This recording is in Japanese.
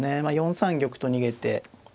まあ４三玉と逃げて。